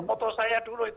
ya itu koto saya dulu itu